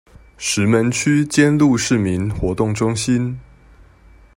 石門區尖鹿市民活動中心